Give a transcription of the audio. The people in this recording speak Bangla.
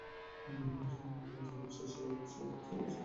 এসব মামলার কার্যক্রম শেষে রায় ঘোষণা হয়েছে—এমন নজির পাওয়া যায় না।